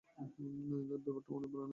ব্যাপারটাকে মনে-প্রাণে ধারণ করো।